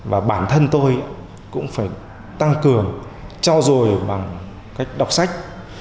và bản thân tôi cũng phải tăng cường cho rồi bằng cách đọc sách